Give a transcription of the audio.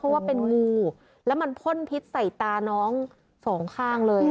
เพราะว่าเป็นงูแล้วมันพ่นพิษใส่ตาน้องสองข้างเลย